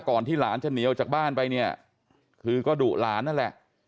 ที่หลานจะหนีออกจากบ้านไปเนี่ยคือก็ดุหลานนั่นแหละ